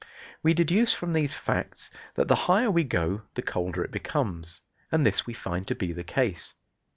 We deduce from these facts that the higher we go the colder it becomes; and this we find to be the case.